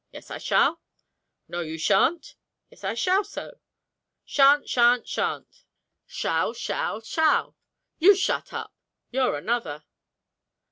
"Yes, I shall." "No, you sha'n't not." "Yes, I shall so." "Sha'n't, sha'n't, sha'n't." "Shall, shall, shall." "You shut up." "You're another."